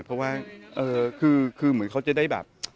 เพราะว่าคือเหมือนเขาจะได้แบบ